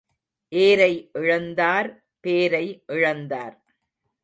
ஏரை இழந்தார் பேரை இழந்தார்.